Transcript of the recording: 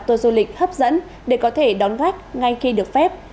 tù du lịch hấp dẫn để có thể đón gác ngay khi được phép